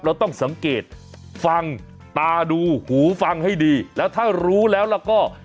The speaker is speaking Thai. เราต้องสังเกตฟังตาดูหูฟังให้ดีแล้วถ้ารู้แล้วแล้วก็